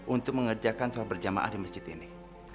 untuk mengerjakan sholat berjamaah di masjid ini